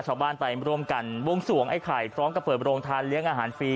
ชาวบ้านไปร่วมกันบวงสวงไอ้ไข่พร้อมกับเปิดโรงทานเลี้ยงอาหารฟรี